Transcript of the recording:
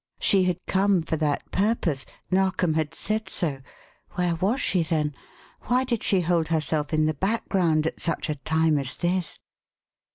She had come for that purpose Narkom had said so. Where was she, then? Why did she hold herself in the background at such a time as this?